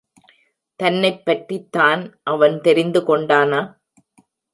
தன்னைப் பற்றித் தான் அவன் தெரிந்துகொண்டானா?